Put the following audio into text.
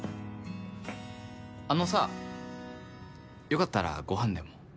あのさ、良かったらごはんでも。